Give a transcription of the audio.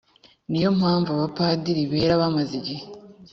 ni yo mpamvu abapadiri bera bamaze igihe